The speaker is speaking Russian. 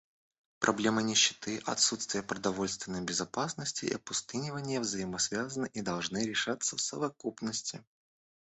Проблемы нищеты, отсутствия продовольственной безопасности и опустынивания взаимосвязаны и должны решаться в совокупности.